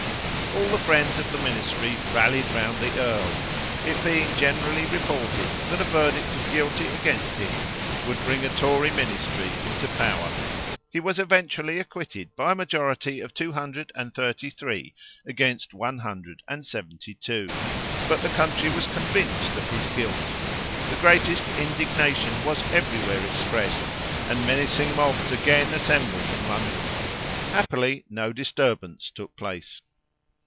All the friends of the ministry rallied around the earl, it being generally reported that a verdict of guilty against him would bring a Tory ministry into power. He was eventually acquitted by a majority of 233 against 172; but the country was convinced of his guilt. The greatest indignation was every where expressed, and menacing mobs again assembled in London. Happily no disturbance took place.